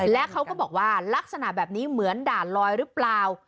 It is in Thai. และเขาก็บอกว่าลักษณะแบบนี้เหมือนด่านลอยหรือเปล่า